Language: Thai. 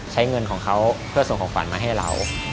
ใช้เงินของเขาเพื่อส่งของฝันมาให้เรา